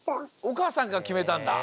おかあさんがきめたんだ。